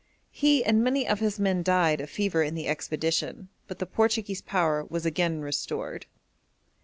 He and many of his men died of fever in the expedition, but the Portuguese power was again restored.